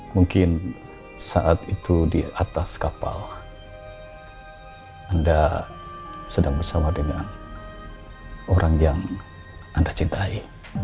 mungkin saat itu di atas kapal anda sedang bersama dengan orang yang anda cintai